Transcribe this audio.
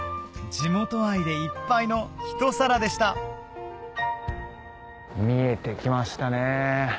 地元愛でいっぱいのひと皿でした見えてきましたね。